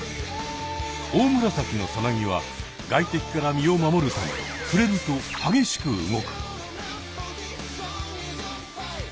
オオムラサキのさなぎは外敵から身を守るためふれるとはげしく動く。